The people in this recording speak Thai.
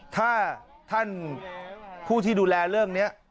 ถ้าท่านผู้ที่ดูแลเรื่องนี้